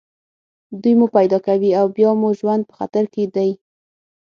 دوی مو پیدا کوي او بیا مو ژوند په خطر کې دی